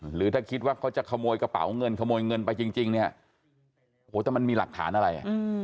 หรือถ้าคิดว่าเขาจะขโมยกระเป๋าเงินขโมยเงินไปจริงเนี่ยโอ้โหแต่มันมีหลักฐานอะไร